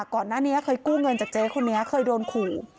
ก่อนหน้านี้เคยกู้เงินจากเจ๊คนนี้เคยโดนขู่